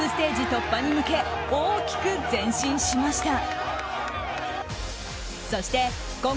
突破に向け大きく前進しました。